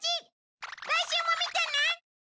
来週も見てね！